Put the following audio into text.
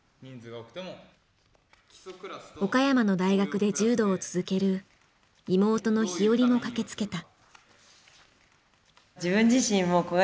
岡山の大学で柔道を続ける妹のひよりも駆けつけた。